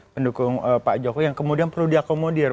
pendukung pak jokowi yang kemudian perlu diakomodir